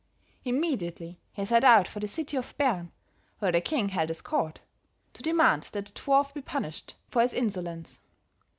Immediately he set out for the city of Bern, where the king held his court, to demand that the dwarf be punished for his insolence.